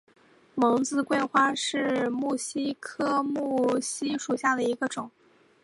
蒙自桂花为木犀科木犀属下的一个种。